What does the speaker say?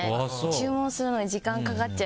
注文するのに時間かかっちゃいそうですね。